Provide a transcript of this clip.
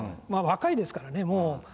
まあ若いですからね。